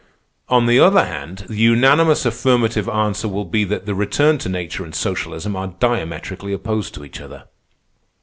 On the other hand, the unanimous affirmative answer will be that the return to nature and socialism are diametrically opposed to each other.